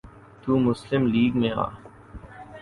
تو Muslim League میں آ۔